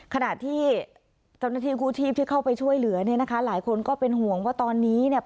ขณะที่เจ้าหน้าที่กู้ชีพที่เข้าไปช่วยเหลือเนี่ยนะคะหลายคนก็เป็นห่วงว่าตอนนี้เนี่ย